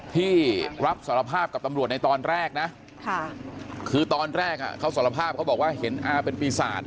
ที่รับสารภาพกับตำรวจในตอนแรกนะคือตอนแรกเขาสารภาพเขาบอกว่าเห็นอาเป็นปีศาจ